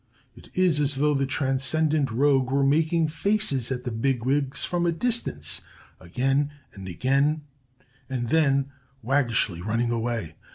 It is as though the transcendent rogue were making faces at the bigwigs from a distance again and again and then waggishly running away.